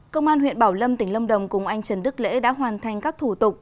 công an huyện bảo lâm tỉnh lâm đồng cùng anh trần đức lễ đã hoàn thành các thủ tục